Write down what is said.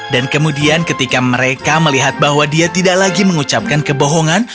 dan kemudian ketika mereka melihat bahwa dia tidak lagi mengucapkan kebohongan